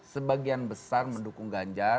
sebagian besar mendukung ganjar